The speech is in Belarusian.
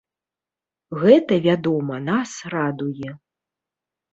Гэта, вядома, нас радуе.